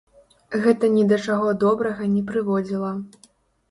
Гэта ні да чаго добрага не прыводзіла.